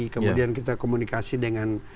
kemudian kita komunikasi dengan